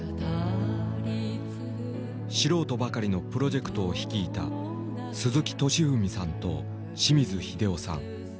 素人ばかりのプロジェクトを率いた鈴木敏文さんと清水秀雄さん。